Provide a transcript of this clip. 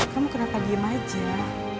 kamu kenapa diem aja